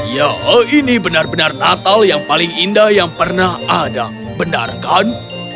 ya ini benar benar natal yang paling indah yang pernah ada benar kan